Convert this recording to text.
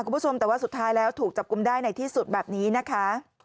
คุณผู้ชมแต่ว่าสุดท้ายแล้วถูกจับกลุ่มได้ในที่สุดแบบนี้นะคะ